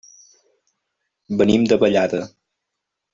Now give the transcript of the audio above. Venim de Vallada.